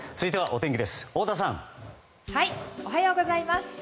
おはようございます。